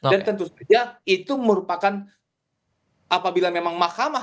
dan tentu saja itu merupakan apabila memang